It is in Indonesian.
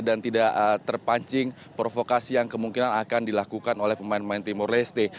dan tidak terpancing provokasi yang kemungkinan akan dilakukan oleh pemain pemain timor leste